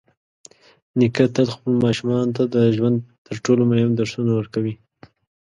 نیکه تل خپلو ماشومانو ته د ژوند تر ټولو مهم درسونه ورکوي.